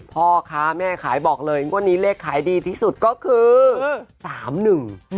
พ่อค้าแม่ขายบอกเลยว่านี้เลขขายดีที่สุดก็คือ